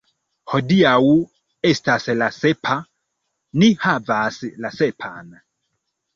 Hodiaŭ estas la sepa, ni havas la sepan.